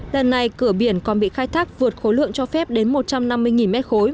lần này cửa biển còn bị khai thác vượt khối lượng cho phép đến một trăm năm mươi m ba